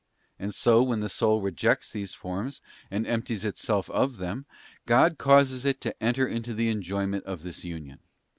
And so when the soul rejects these forms and empties itself of them, God causes it to enter into the enjoyment of this Union.